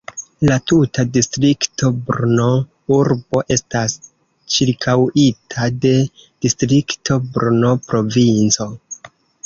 La tuta distrikto Brno-urbo estas ĉirkaŭita de distrikto Brno-provinco.